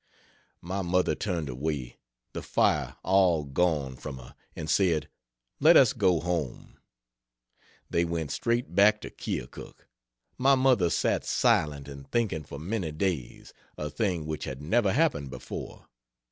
My mother turned away, the fire all gone from her, and said, "Let us go home." They went straight back to Keokuk. My mother sat silent and thinking for many days a thing which had never happened before.